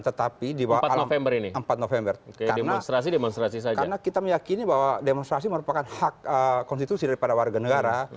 tetapi di bawah empat november karena kita meyakini bahwa demonstrasi merupakan hak konstitusi daripada warga negara